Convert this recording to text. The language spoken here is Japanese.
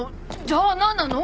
じゃあなんなの？